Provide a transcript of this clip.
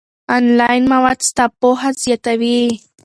آنلاین مواد ستا پوهه زیاتوي.